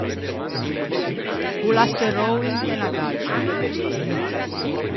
O l’à serrou inte unna gaggia.